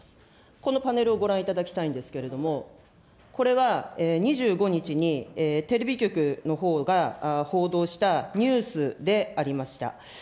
このパネルをご覧いただきたいんですけれども、これは、２５日にテレビ局のほうが報道したニュースでありました。